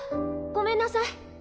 ごめんなさい。